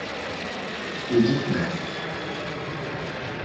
Gecikme.